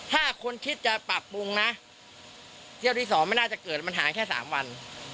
ถ้าคนคิดจะปรับปรุงนะเที่ยวที่สองไม่น่าจะเกิดมันหายแค่สามวัน